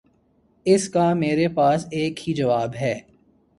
اس کا میرے پاس ایک ہی جواب ہے۔